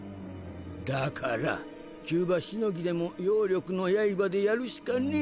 だから急場しのぎでも妖力の刃でやるかねえ。